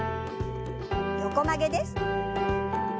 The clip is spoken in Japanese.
横曲げです。